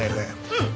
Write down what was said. うん。